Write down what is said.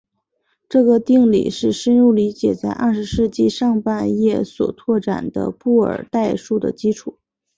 这个定理是深入理解在二十世纪上半叶所拓展的布尔代数的基础。